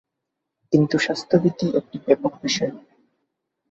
কিন্তু স্বাস্থ্যবিধি একটি ব্যাপক বিষয়।